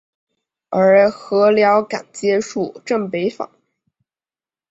而禾寮港街属镇北坊。